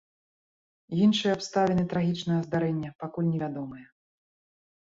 Іншыя абставіны трагічнага здарэння пакуль невядомыя.